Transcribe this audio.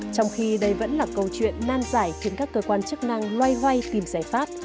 trong khi đây vẫn là câu chuyện nan giải khiến các cơ quan chức năng loay hoay tìm giải pháp